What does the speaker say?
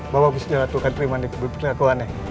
bahwa gusti ratu akan terima dikebutin kekuannya